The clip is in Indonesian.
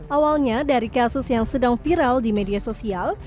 awalnya dari kasus yang sedang viral di media sosial